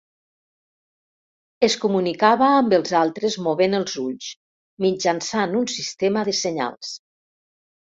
Es comunicava amb els altres movent els ulls, mitjançant un sistema de senyals.